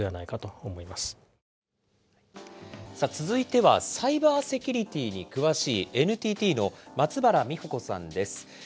続いては、サイバーセキュリティーに詳しい、ＮＴＴの松原実穂子さんです。